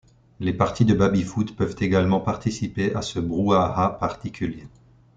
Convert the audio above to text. Les parties de baby-foot peuvent également participer à ce brouhaha particulier.